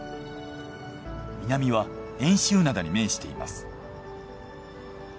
南は遠州灘に面しています。